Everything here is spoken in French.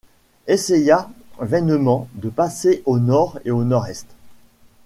essaya vainement de passer au nord et au nord-est.